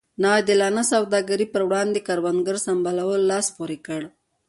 نا عادلانه سوداګرۍ پر وړاندې کروندګرو سمبالولو لاس پورې کړ.